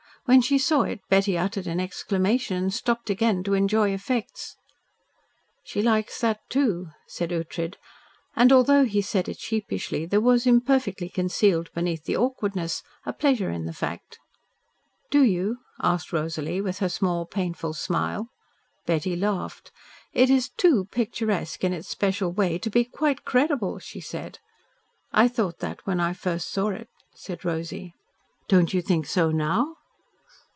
When she saw it, Betty uttered an exclamation and stopped again to enjoy effects. "She likes that, too," said Ughtred, and, although he said it sheepishly, there was imperfectly concealed beneath the awkwardness a pleasure in the fact. "Do you?" asked Rosalie, with her small, painful smile. Betty laughed. "It is too picturesque, in its special way, to be quite credible," she said. "I thought that when I first saw it," said Rosy. "Don't you think so, now?"